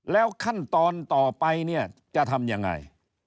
แล้วขั้นตอนต่อไปเนี่ยจะทำยังไง